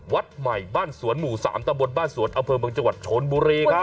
วัดใหม่บ้านสวนหมู่๓ตำบลบ้านสวนอำเภอเมืองจังหวัดชนบุรีครับ